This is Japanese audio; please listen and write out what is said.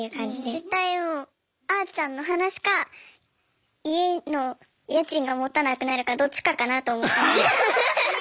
絶対もうあーちゃんの話か家の家賃がもたなくなるかどっちかかなと思ってました。